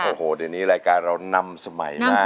โอ้โหเดี๋ยวนี้รายการเรานำสมัยมาก